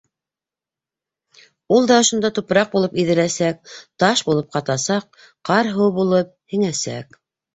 Ул да ошонда тупраҡ булып иҙеләсәк, таш булып ҡатасаҡ, ҡар һыуы булып һеңәсәк.